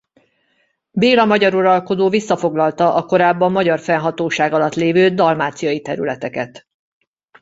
Béla magyar uralkodó visszafoglalta a korábban magyar fennhatóság alatt lévő dalmáciai területeket.